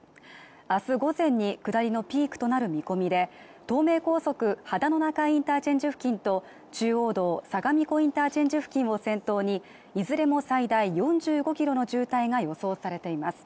明日午前に下りのピークとなる見込みで東名高速・秦野中井インターチェンジ付近と中央道・相模湖インターチェンジ付近を先頭にいずれも最大４５ｋｍの渋滞が予想されています